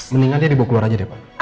mendingan dia dibawa keluar aja deh pak